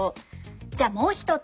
じゃあもう一つ。